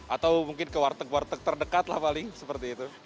atau mungkin ke warteg warteg terdekat lah paling seperti itu